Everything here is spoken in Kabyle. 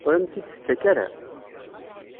Ur am-tt-id-tettak ara?